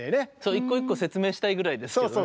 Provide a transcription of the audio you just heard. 一個一個説明したいぐらいですけどね。